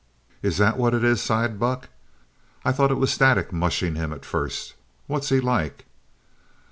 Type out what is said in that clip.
"Is that what it is?" sighed Buck. "I thought it was static mushing him at first. What's he like?"